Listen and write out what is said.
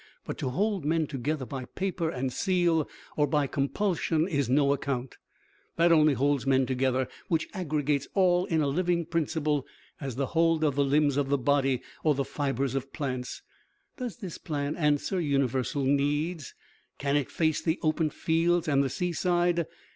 But to hold men together by paper and seal or by compulsion is no account. That only holds men together which aggregates all in a living principle, as the hold of the limbs of the body or the fibers of plants. Does this plan answer universal needs? Can it face the open fields and the seaside?